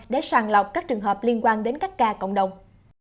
để sàng lọc các trường hợp liên quan đến các ca cộng đồng